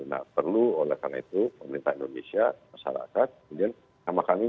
nah perlu oleh karena itu pemerintah indonesia masyarakat kemudian nama kami